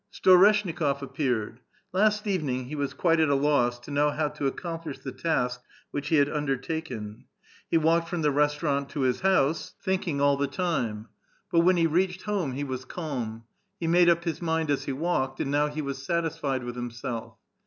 Storeshnikof appeared. Last evening he was quite at a loss to know how to accomplish the task which he had under taken ; he walked from the restaurant to his house, thinking 28 A VITAL QUESTION. all the time. But when he reached home he was calm ; he made up his mind as he walked, and now he was satisfied with himself.